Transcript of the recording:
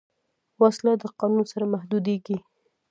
وسله د قانون سره محدودېږي